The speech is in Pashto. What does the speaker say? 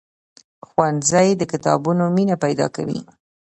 ښوونځی د کتابونو مینه پیدا کوي